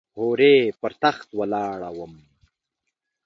هورې پر تخت ولاړه وم .